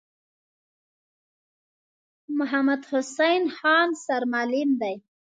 محمدحسین خان سرمعلم دی.